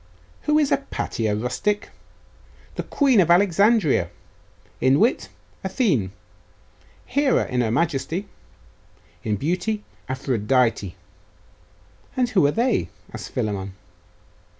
'Who is Hypatia, rustic? The queen of Alexandria! In wit, Athene; Hera in majesty; in beauty, Aphrodite!' 'And who are they?' asked Philammon.